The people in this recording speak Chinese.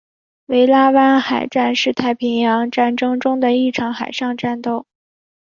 维拉湾海战是太平洋战争中的一场海上战斗。